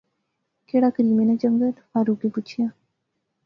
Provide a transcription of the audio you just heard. کیڑا کریمے نا جنگت؟ فاروقیں پچھیا